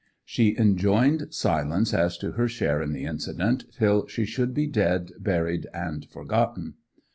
She enjoined silence as to her share in the incident, till she should be 'dead, buried, and forgotten.